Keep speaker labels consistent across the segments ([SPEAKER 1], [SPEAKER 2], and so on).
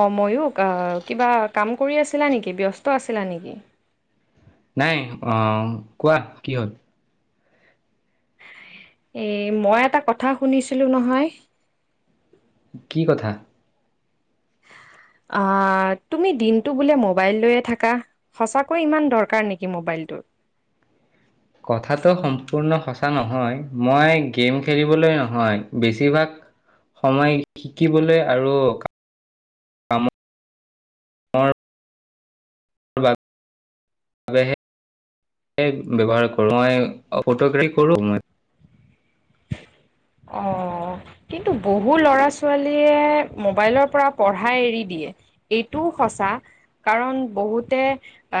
[SPEAKER 1] অ ময়ো আহ কিবা কাম কৰি আছিলা নেকি ব্যস্ত আছিলা নেকি?
[SPEAKER 2] নাই আহ কোৱা কি হ'ল?
[SPEAKER 1] এ মই এটা কথা শুনিছিলোঁ নহয়।
[SPEAKER 2] কি কথা?
[SPEAKER 1] আ, তুমি দিনটো বোলে মোবাইল লৈয়ে থাকা? সঁচাকৈ ইমান দৰকাৰ নেকি মোবাইলটোৰ?
[SPEAKER 2] কথাটো সম্পূৰ্ণ সঁচা নহয়, মই গেম খেলিবলৈ নহয়, বেছিভাগ সময় শিকিবলে আৰু কাম [inaudible] [inaudible] ব্যৱহাৰ কৰোঁ, মই ফটোগ্ৰাফী কৰোঁ [inaudible]
[SPEAKER 1] অ', কিন্তু বহু ল'ৰা, ছোৱালীয়ে মোবাইলৰ পৰা পঢ়াই এৰি দি দিয়ে, এইটোও সঁচা কাৰণ বহুতে আ,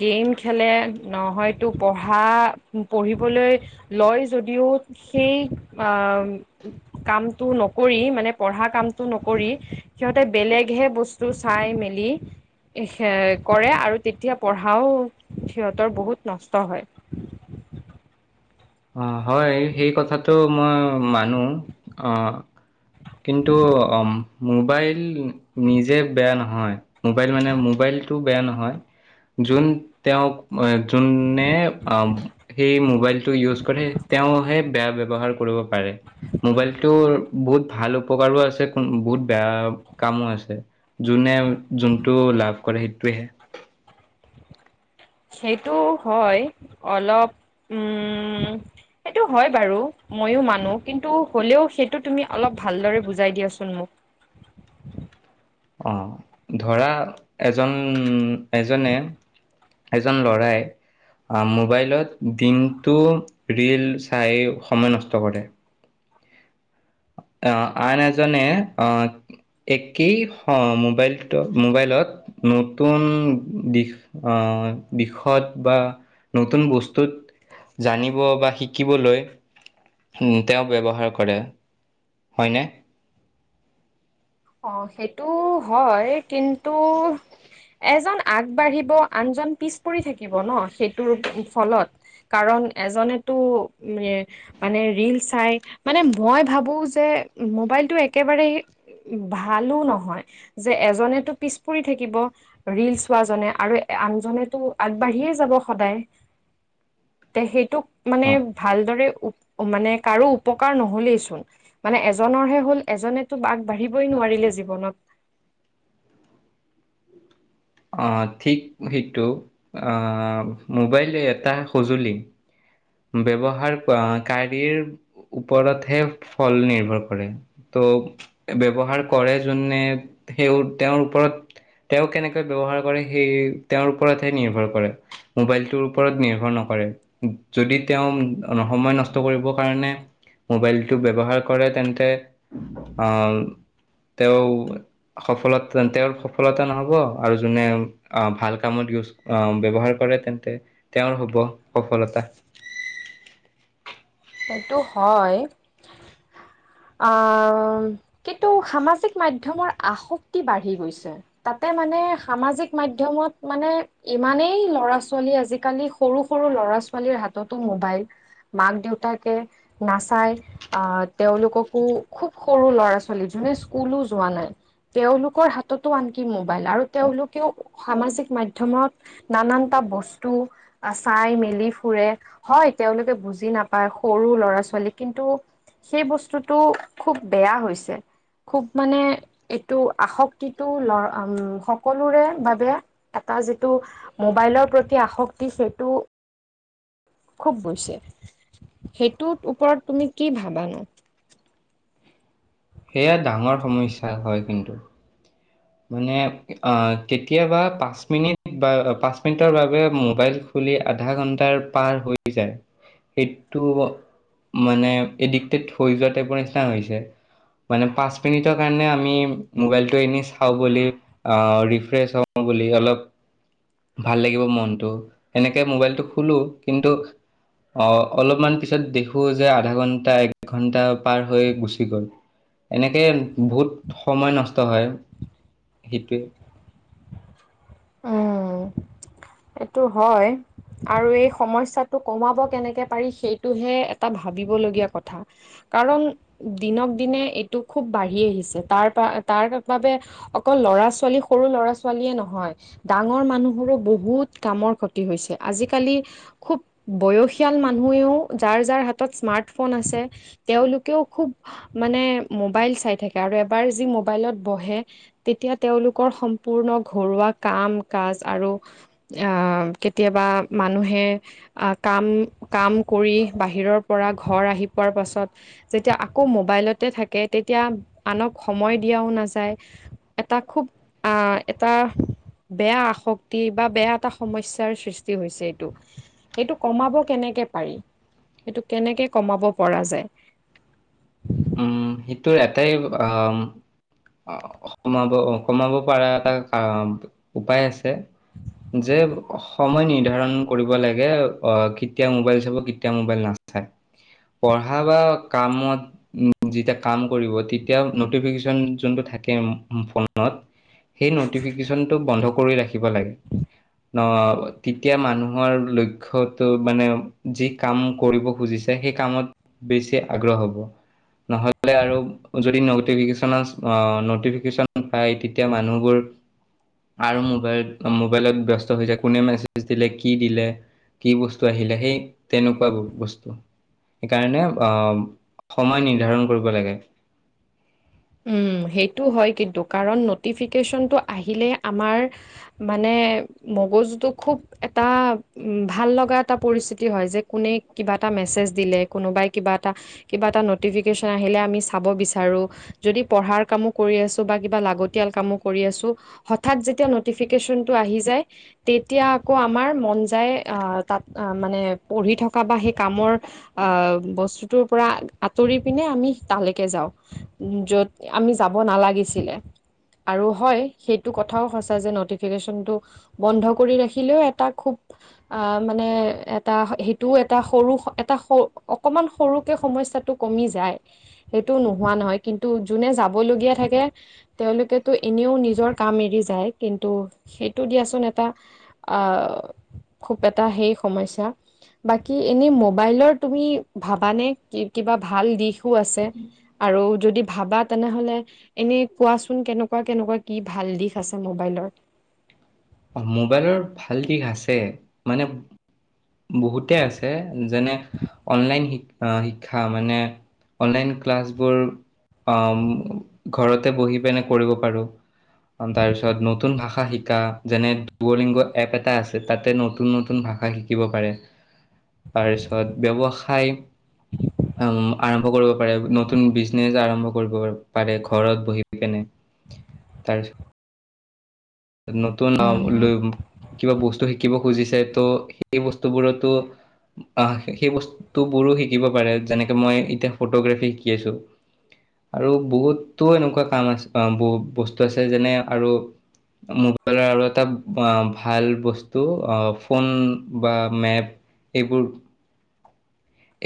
[SPEAKER 1] গেম খেলে, নহয়তো পঢ়া আ, পঢ়িবলৈ লয় যদিও সেই আ, কামটো নকৰি মানে পঢ়া কামটো নকৰি সিহঁতে বে বেলেগহে বস্তু চাই, মেলি [unintelligible] কৰে, আৰু তেতিয়া পঢ়াও সিহঁতৰ বহুত নষ্ট হয়।
[SPEAKER 2] অ', হয়, সেই কথাটো মই মানো অ' কিন্তু অম মোবাইল নিজে বেয়া নহয়, মোবাইল মানে মোবাইলটো বেয়া নহয় যোন তেওঁক যোনে আ, সেই মোবাইলটো ইউজ কৰে, তেওঁ হে বেয়া ব্যৱহাৰ কৰিব পাৰে, মোবাইলটো বহুত ভাল উপকাৰো আছে বহুত বেয়া কামো আছে যোনে যোনটো লাভ কৰে সেইটোৱেহে
[SPEAKER 1] [inaudible] সেইটো হয় অলপ উম সেইটো হয় বাৰু মইয়ো মানো কিন্তু হ'লেও সেইটো তুমি অলপ ভালদৰে বুজাই দিয়াচোন মোক [inaudible]
[SPEAKER 2] অঁ ধৰা এজন এজনে এজন লৰাই আহ মোবাইলত দিনটো ৰীল চাই সময় নষ্ট কৰে আহ আন এজনে অ একেই মোবাইল মোবাইলত নতুন দিশ আহ বিষত বা নতুন বস্তুত জানিব বা শিকিবলৈ উ তেওঁ ব্যৱহাৰ কৰে। হয়নে?
[SPEAKER 1] অ' সেইটো হয় কিন্তু এজন আগবাঢ়িব আন জন পিছ পৰি থাকিব ন সেইটোৰ ফলত কাৰণ এজনেতো উ মানে ৰীল চাই মানে মই ভাবো যে মোবাইলটো একেবাৰেই ভালো নহয় যে এজনেতো পিছ পৰি থাকিব ৰিল চোৱা জনে আৰু আন জনেটো আগবাঢ়িয়ে যাব সদায় ত' সেইটোক মানে
[SPEAKER 2] অ
[SPEAKER 1] ভালদৰে মানে কাৰো উপকাৰ নহ'লেইচোন মানে এজনৰ হে হ'ল এজনেটো ব বাঢ়িবই নোৱাৰিলে জীৱনত।
[SPEAKER 2] আহ ঠিক সেইটো আহ মোবাইল এটা সঁজুলি ব্যৱহাৰ কাৰীৰ ওপৰতহে ফল নিৰ্ভৰ কৰে ত' ব্যৱহাৰ কৰে যোনে সেই তেওঁৰ ওপৰত তেওঁ কেনেকে ব্যৱহাৰ কৰে সেই তেওঁৰ ওপৰতহে নিৰ্ভৰ কৰে মোবাইলটোৰ ওপৰত নিৰ্ভৰ নকৰে যদি তেওঁ সময় নষ্ট কৰিবৰ কাৰণে মোবাইলটো ব্যৱহাৰ কৰে তেন্তে আহ তেওঁ সফলতা তেওঁৰ সফলতা নহ'ব। আৰু যোনে ভাল কামত ইউজ ব্যৱহাৰ কৰে তেন্তে তেওঁৰ হ'ব সফলতা।
[SPEAKER 1] এইটো হয়। কিন্তু সামাজিক মাধ্যমৰ আসক্তি বাঢ়ি গৈছে। তাতে মানে সামাজিক মাধ্যমত মানে ইমানেই ল'ৰা ছোৱালী আজিকালি সৰু সৰু ল'ৰা-ছোৱালীৰ হাততো মোবাইল মাক-দেউতা তাকে নাচাই আহ তেওঁলোককো খুব সৰু ল'ৰা- ছোৱালী যোনে স্কুলো নাই তেওঁলোকৰ হাততো আনকি মোবাইল আৰু তেওঁলোকেও সামাজিক মাধ্যমত নানাটা বস্তু চাই মেলি ফুৰে হয় তেওঁলোকে বুজি নাপ বা সৰু ল'ৰা-ছোৱালী কিন্তু সেই বস্তুটো খুব বেয়া হৈছে। খুব মানে এইটো আসক্তিটো লৰ উ সকলোৰে বাবে এটা যিটো মোবাইলৰ প্ৰতি আসক্তি সেইটো খুব হৈছে সেইটোৰ ওপৰত তুমি কি ভাবানো?
[SPEAKER 2] সেয়া ডাঙৰ সমস্যা হয় কিন্তু মানে অ' কেতিয়াবা পাঁচ মিনিট বা পাঁচ মিনিটৰ বাবে মোবাইল আধা ঘন্টাৰ পাৰ হৈ যায়। সেইটো মানে এডিক্টেড হৈ যোৱা টাইপৰ নিচিনা হৈছে। মানে পাঁচ মিনিটৰ কাৰণে আমি মবাইলটো এনে চাও বুলি ৰিফ্ৰেছ হও বুলি অলপ ভাল লাগিব মনটো এনেকে মোবাইলটো খোলো কিন্তু অ' অলপমান পিছত দেখো যে আধা ঘন্টা এক ঘণ্টা পাৰ হৈ গুচি গ'ল। এনেকে বহুত সময় নষ্ট হয় সেইটোৱে
[SPEAKER 1] উম' এইটো হয়। আৰু এই সমস্যাটো কমাব কেনেকে পাৰি সেইটোহে এটা ভাবিবলগীয়া কথা। কাৰণ দিনক দিনে এইটো খুব বাঢ়ি আহিছে তাৰ তাৰ বাবে অকল ল'ৰা ছোৱালী, সৰু ল'ৰা ছোৱালীয়ে নহয়। ডাঙৰ মানুহৰো বহুত কামৰ ক্ষতি হৈছে আজিকালি খুব বয়সীয়াল মানুহেও, যাৰ যাৰ হাতত স্মাৰ্ট ম'বাইল ফোন আছে, তেওঁলোকেও খুব মানে ম'বাইল চাই থাকে আৰু এবাৰ যি মোবাইলত বহে, তেতিয়া তেওঁলোকৰ সম্পূৰ্ণ ঘৰুৱা কাম-কাজ আৰু কেতিয়াবা মানুহে কাম কাম কৰি বাহিৰৰ পৰা ঘৰ আহি পোৱাৰ পাছত যেতিয়া আকৌ মোবাইলতে থাকে তে তেতিয়া আনক সময় দিয়াও নাযায় এটা খুব আহ এটা বেয়া আসক্তি বা বেয়া এটা সমস্যাৰ সৃষ্টি হৈছে এইটো। এইটো কমাব কেনে কে পাৰি সেইটো কেনেকে কমাব পৰা যায়।
[SPEAKER 2] উম সেইটোৰ এটাই আহ আহ সমাব কমাব পৰা এটা উপায় আছে। যে সময় নিৰ্ধাৰণ কৰিব লাগে অ কেতিয়া মোবাইল চাব কেতিয়া মোবাইল নাচ পঢ়া বা কামত উ যেতিয়া কাম কৰিব তেতিয়া নটিফিকেশচন যোনটো থাকে ফোনত সেই নটিফিকেচন টো বন্ধ কৰি ৰাখিব লাগে। ন তেতিয়া মানুহৰ লক্ষ্যটো মানে যি কাম কৰিব খুজিছে শসেই কামত বেছি আগ্ৰহ হব, নহলে আৰু যদিন নটিফিকেশন পায় তেতিয়া মানুহবোৰ আৰু মোবাইল মোবাইলত ব্যস্ত হৈ যায় কোনে মেছেজ দিলে কি দিলে কি বস্তু আহিলে সেই তেনেকুৱা বস্তু। সেইকাৰণে আহ সময় নিৰ্ধাৰণ কৰিব লাগে।
[SPEAKER 1] উম সেইটো হয় কিন্তু কাৰণ নটিফিকেশচনটো আহিলে আমাৰ মানে মানে মগজু টো খুব এটা ভাল লগা এটা পৰিস্থিতি হয় যে কোনে কিবা মেচেজ দিলে কোনোাই কিবা এটা কিবা এটা নটিকেশন আহিলে আমি চাব বিচাৰো। যদি পঢ়াৰ কামো কৰি আছো বা কিবা লাগতিয়াল কামো কৰি আছো হঠাৎ যেতিয়া নটিফিকেচন টো আহি যায় তেতিয়া আকৌ আমাৰ মন যায় অ তাত মানে পঢ়ি থকা বা সেই কামৰ আহ বস্তুটোৰ পৰা আঁতৰি পিনে আমি তালৈকে যাওঁ। য'ত আমি যাব নালাগিছিলে। আৰু হয় সেইটো কথাও সচা যে নটিফিকেশ্যনটো বন্ধ কৰি ৰাখিলেও এটা খুব অ মানে এটা সেইটোও এটা সৰু এটা অকমান সৰুকে সময় সমস্যা টো কমি যায় সেইটো নোহোৱা নহয়। কিন্তু যোনে যাবলগীয়া থাকে তেওঁলোকেতো এনেও নিজৰ কাম এৰি যায় কিন্তু সেইটো দিয়াচোন এটা আহ খুব এটা সেই সমস্যা বাকী এনে মোবাইলৰ তুমি ভাবানে কিবা ভাল দিশো আছে? আৰু যদি ভাবা তেনেহ'লে এনে কোৱাচোন কেনেকুৱা কেনেকুৱা কি ভাল দিশ আছে মোবাইলৰ? [inaudible]
[SPEAKER 2] মোবাইলৰ ভাল দিশ আছে মানে বহুতে আছে যেনে অনলাইন শি শিক্ষা মানে অনলাইন ক্লাছবোৰ ঘৰতে বহি পিনে কৰিব পাৰোঁ। তাৰপিছত নতুন ভাষা শিকা। ডোৱলিংগ এপ এটা আছে তাতে নতুন নতুন ভাষা শিকিব পাৰে। তাৰপিছত ব্যৱসায় উম আৰম্ভ কৰিব পাৰে নতুন বিজনেচ আৰম্ভ কৰিব পাৰে, ঘৰত বহি কেনে। তাৰপিছত নতুন লৈ কিবা বস্তু শিকিব খুজিছে যে ত' সেই বস্তুবোৰতো আহ সেই বস্তুবোৰো শিকিব পাৰে যেনেকে মই এতিয়া ফটোগ্ৰাফী শিকি আছো। আৰু বহুতো এনেকুৱা কাম আছে ব বস্তু আছে যেনে আৰু মোবাইলৰ আৰু এটা ভাল বস্তু অ ফোন বা মেপ এইবোৰ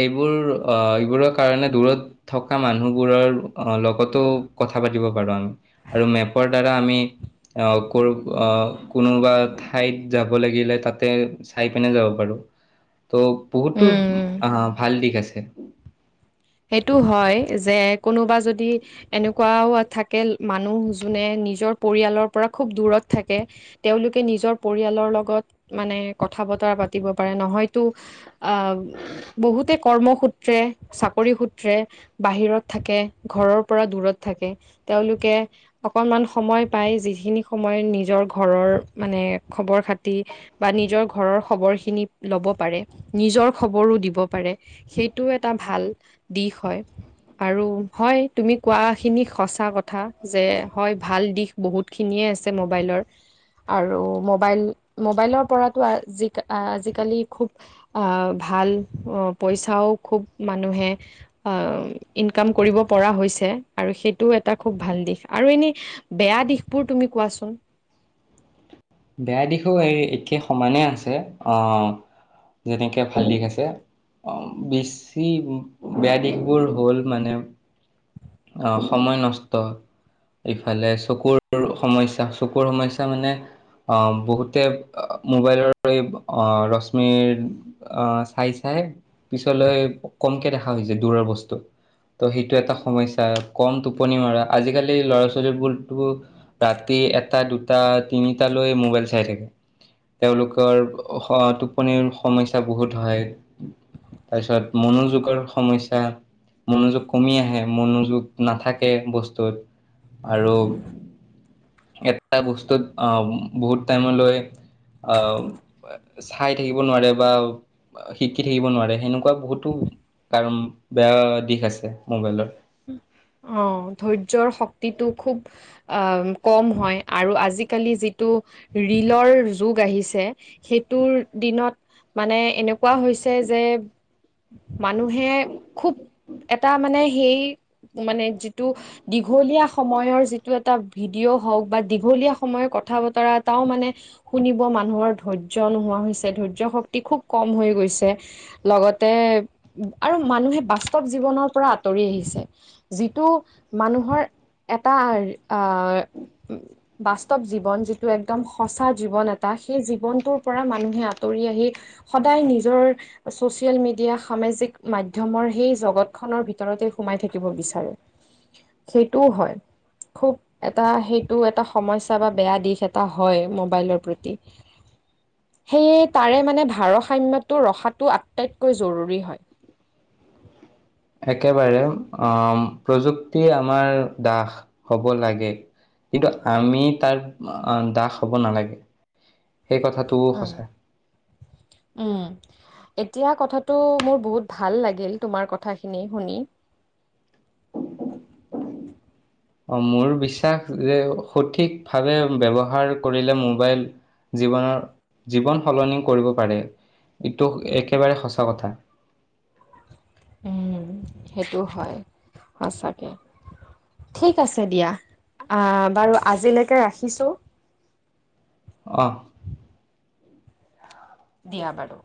[SPEAKER 2] এইবোৰ অ এইবোৰৰ কাৰণে দূৰত থকা মানুহবোৰৰ লগতো কথা পাতিব পাৰো আমি আৰু মেপৰ দ্বাৰা আমি আহ ক আহ কোনোবা ঠাইত যাব লাগিলে তাতে চাই পিনে যাব পাৰো।
[SPEAKER 1] [inaudible]
[SPEAKER 2] তো বহুতো
[SPEAKER 1] উম
[SPEAKER 2] আহ ভাল দিশ আছে।
[SPEAKER 1] সেইটো হয় যে কোনোবা যদি এনেকুৱাও থাকে মানুহ যোনে নিজৰ পৰিয়ালৰ পৰা খুব দূৰত থাকে, তেওঁলোকে নিজৰ পৰিয়ালৰ লগত মানে কথা বতৰা পাতিব পাৰে, নহয়তো আ, বহুতে কৰ্মসূত্ৰে চাক [unintelligible] সূত্ৰে বাহিৰত থাকে ঘৰৰ পৰা দূৰত থাকে তেওঁলোকে অকনমান সময় পায় যিখিনি সময় নিজৰ ঘৰৰ মানে খবৰ খাতি বা নিজৰ ঘৰৰ খবৰখিনি ল'ব পাৰে নিজৰ খবৰো দিব পাৰে সেইটো এটা ভাল দিশ হয়। আৰু হয় তুমি কোৱা খিনি সচা কথা যে হয় ভাল দিশ বহুত খিনিয়ে আছে মোবাইলৰ আৰু মোবাইল মোবাইলৰ পৰাতো আজ আজিকালি খুব আ, ভাল ভাল পইচাও খুব মানুহে অ, ইনকাম কৰিব পৰা হৈছে আৰু সেইটোও এটা খুব ভাল দিশ আৰু এনে বেয়া দিশবোৰ তুমি কোৱাচোন?
[SPEAKER 2] বেয়া দিশো এই একে সমানেই আছে অ, যেনেকে ভাল দিশ আছে। অ, বেছি বেয়া দিশবোৰ হ'ল মানে অ, সময় নষ্ট। ইফালে চকুৰ সমস্যা চকুৰ সমস্যা মানে অ, বহুতে মোবাইলৰ এই ৰশ্মিৰ অ, চাই চাই পিছলৈ কমকে দেখা হৈছে দূৰৰ বস্তু। ত' সেইটো এটা সমস্যা কম টোপনি মৰা আজিকালি ল'ৰা ছোৱালীবোৰতো ৰাতি এটা দুটা তিনিটা লৈ মোবাইল চাই থাকে। তেওঁলোকৰ হ' টোপনিৰ সমস্যা বহুত হয়। তাৰপিছত মনোযোগৰ সমস্যা। মনোযোগ কমি আহে মনোযোগ নাথাকে বস্তুত। আৰু এটা বস্তুত আ, বহুত টাইম লৈ আ, চাই থাকিব নোৱাৰে বা শিকি থাকিব নোৱাৰে সেনেকুৱা বহুতো কাৰণ বেয়া দিশ আছে মোবাইলত।
[SPEAKER 1] উম, অ', ধৈৰ্যৰ শক্তিটো খুব আ, কম হয় আৰু আজিকালি যিটো ৰীলৰ যুগ আহিছে সেইটোৰ দিনত মানে এনেকুৱা হৈছে যে মানুহে খুব এটা মানে সেই মানে যিটো দীঘলীয়া সময়ৰ যিটো এটা ভিডিঅ' হওঁক বা দীঘলীয়া সময় কথা-বতৰা এইটাও মানে শুনিব মানুহৰ ধৈৰ্য্য নোহোৱা হৈছে, ধৈৰ্য্য শক্তি খুব কম হৈ গৈছে লগতে আৰু মানুহে বাস্তৱ জীৱনৰ পৰা আঁতৰি আহিছে। যিটো মানুহৰ এটা আ, বাস্তৱ জীৱন যিটো একদম সঁচা জীৱন এটা সেই জীৱনটোৰ পৰা মানুহে আঁতৰি আহি সদায় নিজৰ ছ'চিয়েল মিডিয়া সামাজিক মাধ্যমৰ সেই জগত খনৰ ভিতৰতে সোমাই থাকিব থাকিব বিচাৰে সেইটোও হয়। খুব এটা সেইটো এটা সমস্যা বা বেয়া দিশ এটা হয় মোবাইলৰ প্ৰতি। সেয়ে তাৰে মানে ভাৰসাম্যটো ৰখাটো আটাইতকৈ জৰুৰী হয়। [inaudible]
[SPEAKER 2] একেবাৰে অ, প্ৰযুক্তি আমাৰ দাস হব লাগে। কিন্তু আমি তাৰ দাস হব নালাগে। সেই কথাটোও
[SPEAKER 1] উম
[SPEAKER 2] সঁচা।
[SPEAKER 1] উম, এতিয়া কথাটো মোৰ বহুত ভাল লাগিল তোমাৰ কথাখিনি শুনি। [inaudible]
[SPEAKER 2] অ' মোৰ বিশ্বাস যে সঠিক ভাৱে ব্যৱহাৰ কৰিলে মোবাইল জীৱনৰ জীৱন সলনি কৰিব পাৰে। ইটো একেবাৰে সঁচা কথা।
[SPEAKER 1] উম সেইটো হয় সচাঁকে। ঠিক আছে দিয়া বাৰু আজিলৈকে ৰাখিছোঁ।
[SPEAKER 2] অ।
[SPEAKER 1] দিয়া বাৰু।